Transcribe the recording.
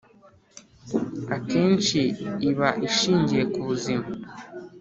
akenshi iba ishingiye ku buzima